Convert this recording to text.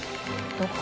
どこ？